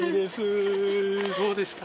どうでした？